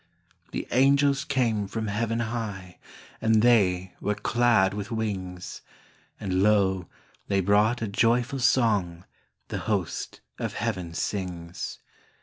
The angels came from heaven high, And they were clad with wings; And lo, they brought a joyful song The host of heaven sings.